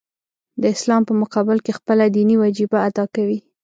د اسلام په مقابل کې خپله دیني وجیبه ادا کوي.